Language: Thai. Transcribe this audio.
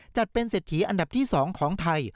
จัดเป็นเศรษฐีอันดับที่๒ของไทย